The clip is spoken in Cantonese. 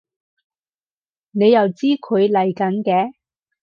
你又知佢嚟緊嘅？